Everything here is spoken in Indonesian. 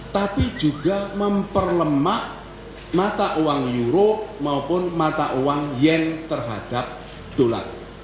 tapi juga memperlemah mata uang euro maupun mata uang yen terhadap dolar